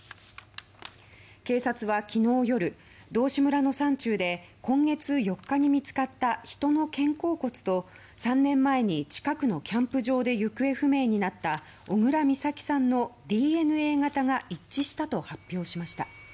警察は昨日夜道志村の山中で今月４日に見つかった人の肩甲骨と３年前に近くのキャンプ場で行方不明になった小倉美咲さんのＤＮＡ型が一致したと発表しました。